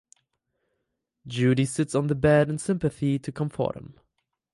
Judy sits on the bed in sympathy to comfort him.